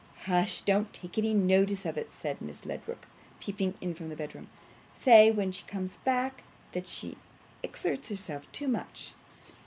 'Hush! Don't take any notice of it,' said Miss Ledrook, peeping in from the bedroom. 'Say, when she comes back, that she exerts herself too much.